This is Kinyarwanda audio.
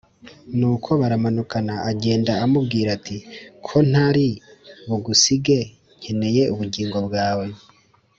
Nuko baramanukana agenda amubwira ati ko ntari bugusige nkeneye ubugingo bwawe